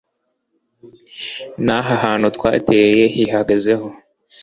n'aha hantu twateye hihagazeho